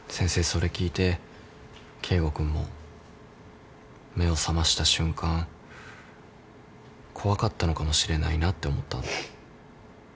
それ聞いて圭吾君も目を覚ました瞬間怖かったのかもしれないなって思ったの。